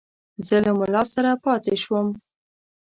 زه له مُلا سره پاته شوم.